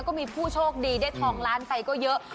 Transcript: ก็มีผู้โชคดีได้ทองล้านไปก็เยอะ